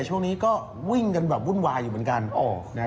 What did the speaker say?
ช่วงนี้ก็วิ่งกันแบบวุ่นวายอยู่เหมือนกัน